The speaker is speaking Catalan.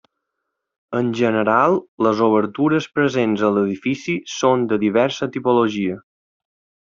En general, les obertures presents a l'edifici són de diversa tipologia.